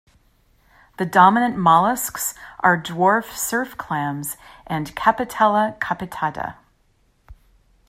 The dominant mollusks are dwarf surf clams and "Capitella capitata".